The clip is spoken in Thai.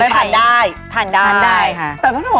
ค่ะถามครับ